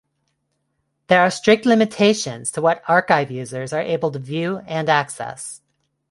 There are strict limitations to what archive users are able to view and access.